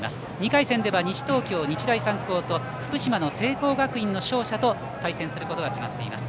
２回戦では西東京・日大三高と福島の聖光学院の勝者と対戦することが決まっています。